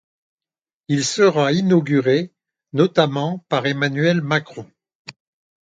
Il sera inauguré notamment par Emmanuel Macron.